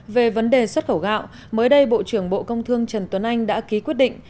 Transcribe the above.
về vấn đề xuất khẩu gạo mới đây bộ trưởng bộ công thương trần tuấn anh đã ký quyết định